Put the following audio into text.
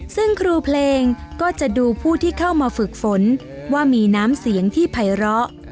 ซึ่งครูเพลงก็จะดูผู้ที่เข้ามาฝึกฝนว่ามีน้ำเสียงที่ภัยร้อ